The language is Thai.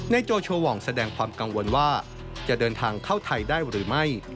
โจโชวองแสดงความกังวลว่าจะเดินทางเข้าไทยได้หรือไม่